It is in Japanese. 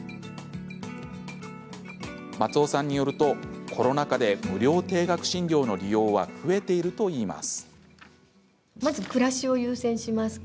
松尾さんによると、コロナ禍で無料低額診療の利用は増えているといいます。